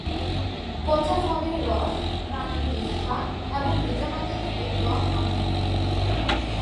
পচা ফলের রস, প্রানীর বিষ্ঠা এবং ভেজা মাটি থেকে রস আহরণ করে।